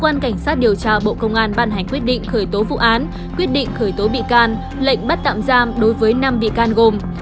lệnh bắt tạm giam đối với năm vị can gồm